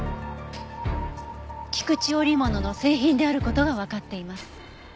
菊池織物の製品である事がわかっています。